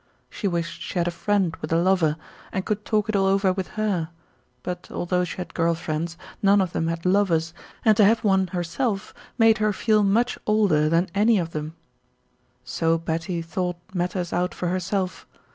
She wished she had a friend with a lover, and could talk it all over with her, but although she had girl friends, none of them had lovers, and to have one herself made her feel much older than any of them. So Betty thought matters out for herself.